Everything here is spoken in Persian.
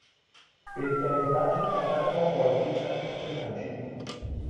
بهترین بخش سفر ما بازدید از تخت جمشید بود.